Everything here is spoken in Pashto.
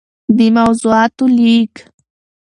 دموضوعاتو ليــک